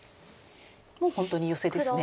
もう本当にヨセですね。